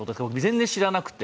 全然知らなくて。